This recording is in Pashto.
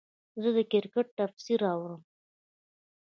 زه د کرکټ تفسیر اورم.